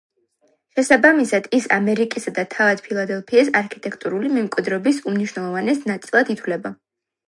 შესაბამისად ის ამერიკისა და თავად ფილადელფიის არქიტექტურული მემკვიდრეობის უმნიშვნელოვანეს ნაწილად ითვლება.